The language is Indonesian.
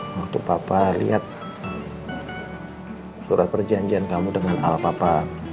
waktu papa lihat surat perjanjian kamu dengan al papa